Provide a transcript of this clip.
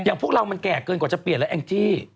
พวกเรามันแก่เกินกว่าจะเปลี่ยนแล้วแองจี้